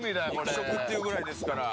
肉食っていうくらいですから。